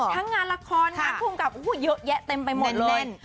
ทั้งงานละครงานคุมกรรมเยอะแยะเต็มไปหมดเลย